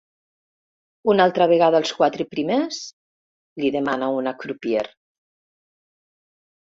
Una altra vegada els quatre primers? —li demana una crupier.